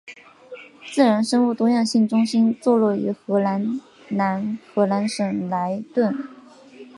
自然生物多样性中心座落于荷兰南荷兰省莱顿。